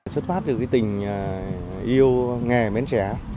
xuất phát từ cái tình yêu nghề mến trẻ